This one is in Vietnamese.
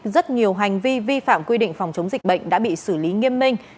rất nhiều hành vi vi phạm quy định phòng chống dịch bệnh đã bị xử lý nghiêm minh